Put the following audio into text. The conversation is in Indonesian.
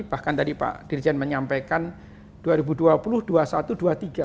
bahkan tadi pak dirjen menyampaikan dua ribu dua puluh dua puluh satu dua tiga